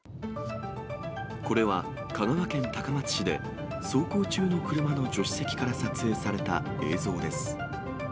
これは、香川県高松市で、走行中の車の助手席から撮影された映像です。